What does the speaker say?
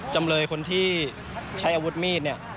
จำเลยคนที่ใช้อาวุธมีดเนี่ย